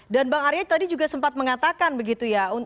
dan bang arya tadi juga sempat mengatakan begitu ya